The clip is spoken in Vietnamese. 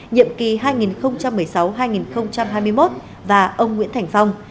nhiệm kỳ hai nghìn một mươi sáu hai nghìn hai mươi một và ông nguyễn thành phong